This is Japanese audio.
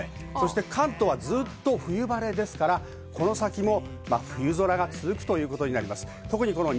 関東は冬晴れですから、この先も冬空が続くということなります。